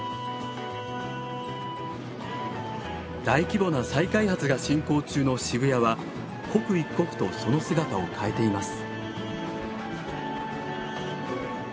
大規模な再開発が進行中の渋谷は刻一刻とその姿を変えています。